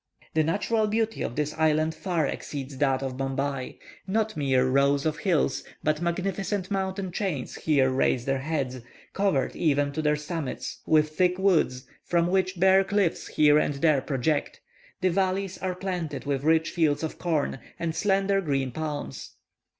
The natural beauty of this island far exceeds that of Bombay. Not mere rows of hills, but magnificent mountain chains here raise their heads, covered even to their summits with thick woods, from which bare cliffs here and there project; the valleys are planted with rich fields of corn, and slender green palms.